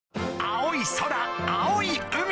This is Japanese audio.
青い空青い海